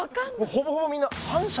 ほぼほぼみんな。